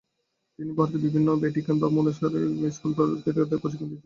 তিনি ভারতে বিভিন্ন ভ্যাটিকান ধর্ম অনুসারী স্কুলে তরুণ ক্রিকেটারদের প্রশিক্ষণ দিয়েছেন।